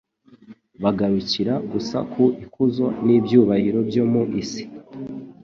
bagarukira gusa ku ikuzo n'ibyubahiro byo mu isi.